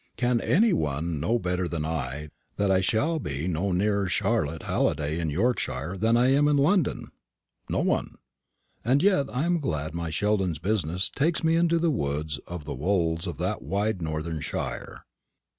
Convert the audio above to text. Can any one know better than I that I shall be no nearer Charlotte Halliday in Yorkshire than I am in London? No one. And yet I am glad my Sheldon's business takes me to the woods and wolds of that wide northern shire.